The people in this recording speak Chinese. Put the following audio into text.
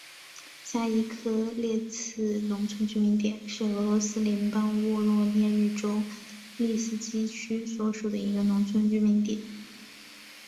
下伊科列茨农村居民点是俄罗斯联邦沃罗涅日州利斯基区所属的一个农村居民点。